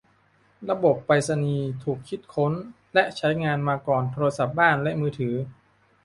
ระบบไปรษณีย์ถูกคิดค้นและใช้งานมาก่อนโทรศัพท์บ้านและมือถือ